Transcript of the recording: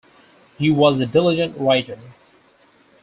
He was a diligent writer.